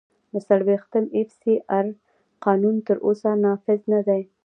د څلوېښتم اېف سي آر قانون تر اوسه نافذ دی.